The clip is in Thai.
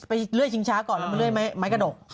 ไปเลื้อยชิงช้าก่อนและเลื้อยไม้กระดก